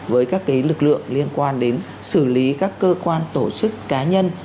với các lực lượng liên quan đến xử lý các cơ quan tổ chức cá nhân